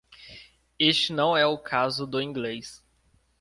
Este não é o caso do inglês.